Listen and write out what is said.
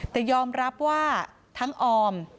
แต่ยอมรับว่าทั้งออม